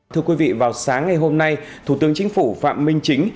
thưa quý vị vào sáng ngày hôm nay thủ tướng chính phủ phạm minh chính